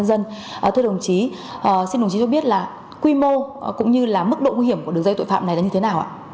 xin đồng chí cho biết quy mô cũng như mức độ nguy hiểm của đường dây tội phạm này là như thế nào